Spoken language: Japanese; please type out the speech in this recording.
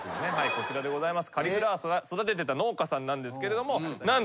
こちらでございます。